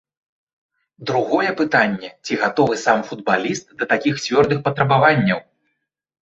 Другое пытанне, ці гатовы сам футбаліст да такіх цвёрдых патрабаванняў.